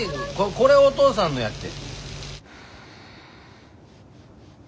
これおとうさんのやって。